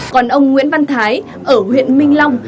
còn ông nguyễn văn thái ở huyện minh long